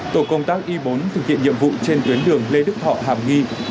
tổ công tác y bốn thực hiện nhiệm vụ trên tuyến đường lê đức thọ hàm nghi